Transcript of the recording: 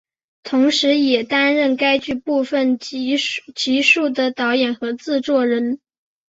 同时也担任该剧部分集数的导演和制作人。